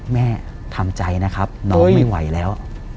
แม่ทำใจนะครับน้องไม่ไหวแล้ว